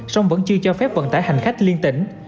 song vẫn chưa cho phép vận tải hành khách liên tỉnh